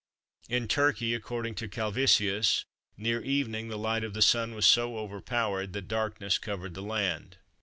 In Turkey, according to Calvisius, "near evening the light of the Sun was so overpowered that darkness covered the land."